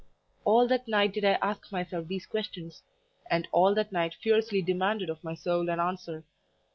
All that night did I ask myself these questions, and all that night fiercely demanded of my soul an answer.